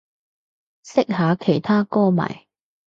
識下其他歌迷